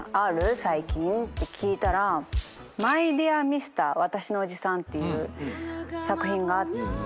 最近って聞いたら『マイ・ディア・ミスター私のおじさん』っていう作品があって。